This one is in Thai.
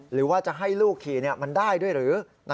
หรือว่าจะให้ลูกขี่มันได้ด้วยหรือ